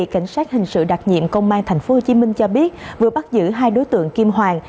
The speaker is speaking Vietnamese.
cảnh sát hình sự đặc nhiệm công an tp hcm cho biết vừa bắt giữ hai đối tượng kim hoàng